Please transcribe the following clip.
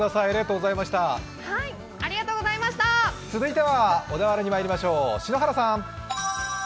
続いては小田原にまいりましょう、篠原さん。